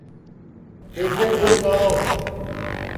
ٻیگے گھُڑ گݪاؤ